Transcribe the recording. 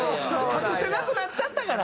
隠せなくなっちゃったから。